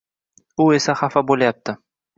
U esa xafa bo‘lyapti.